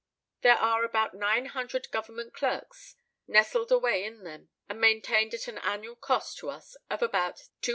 There are about nine hundred Government clerks nestled away in them, and maintained at an annual cost to us of about £275,000.